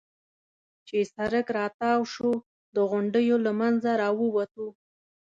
چې سړک را تاو شو، د غونډیو له منځه را ووتو.